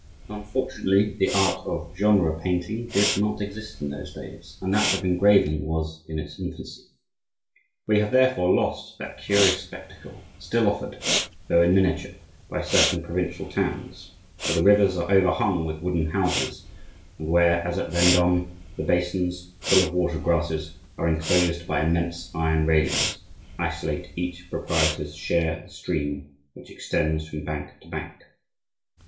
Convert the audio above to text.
Unfortunately, the art of genre painting did not exist in those days, and that of engraving was in its infancy. We have therefore lost that curious spectacle, still offered, though in miniature, by certain provincial towns, where the rivers are overhung with wooden houses, and where, as at Vendome, the basins, full of water grasses, are enclosed by immense iron railings, to isolate each proprietor's share of the stream, which extends from bank to bank.